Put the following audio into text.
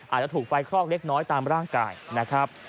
อาจจะถูกไฟคลอกเล็กน้อยตามร่างกายนะครับ